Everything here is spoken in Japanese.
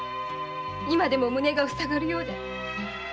今でも胸が塞がるようで。